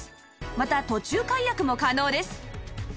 また途中解約も可能です